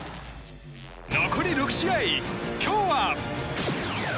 残り６試合、今日は。